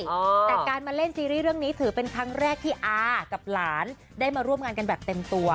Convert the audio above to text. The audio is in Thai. แต่การมาเล่นซีรีส์เรื่องนี้ถือเป็นครั้งแรกที่อากับหลานได้มาร่วมงานกันแบบเต็มตัว